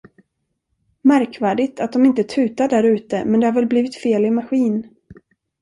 Märkvärdigt att dom inte tutar därute, men det har väl blivit fel i maskin!